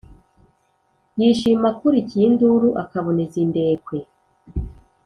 yishima akulikiye induru akaboneza indekwe.